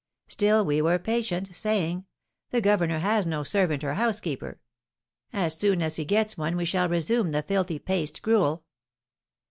Still we were patient, saying, "The governor has no servant or housekeeper; as soon as he gets one we shall resume the filthy paste gruel."